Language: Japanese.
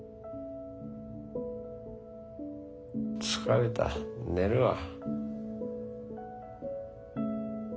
疲れた寝るわ。